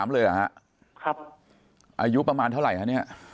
๒๓เลยครับอายุประมาณเท่าไหร่เนี่ย